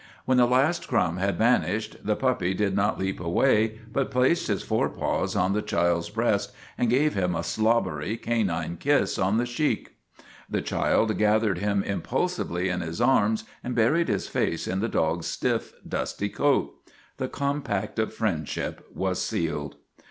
When the last crumb had vanished the puppy did not leap away, but placed his fore paws on the child's breast and gave him a slobbery, canine kiss on the cheek. The child gathered him impul sively in his arms and buried his face in the dog's stiff, dusty coat. The compact of friendship was sealed.